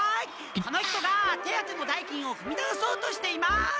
この人が手当ての代金をふみたおそうとしています！